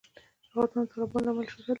افغانستان د تالابونه له امله شهرت لري.